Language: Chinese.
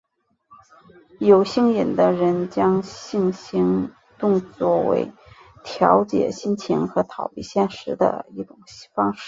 有性瘾的人将性行动作为调节心情和逃避现实的一种方式。